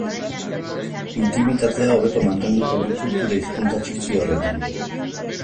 Intimitatea hobeto mantenduko duzu zure hizkuntza txiki horretan.